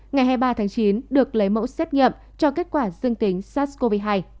ngày hai mươi ba tháng chín được lấy mẫu xét nghiệm cho kết quả dương tính sars cov hai